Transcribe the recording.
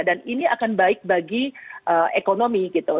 dan ini akan baik bagi ekonomi gitu